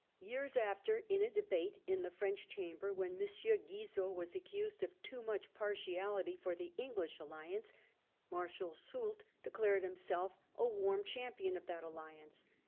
Years after, in a debate in the French Chamber, when M. Guizot was accused of too much partiality for the English alliance, Marshal Soult declared himself a warm champion of that alliance.